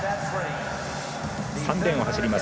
３レーンを走ります